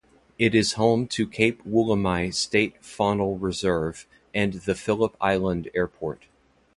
It is home to Cape Woolamai State Faunal Reserve, and the Phillip Island Airport.